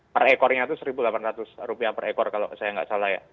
perekornya itu rp satu delapan ratus per ekor kalau saya tidak salah ya